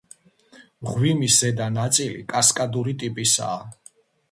მღვიმის ზედა ნაწილი კასკადური ტიპისაა.